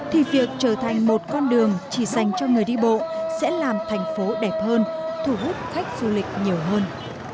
thì việc trở thành một con đường chỉ dành cho người đi bộ sẽ làm thành phố đẹp hơn thu hút khách du lịch nhiều hơn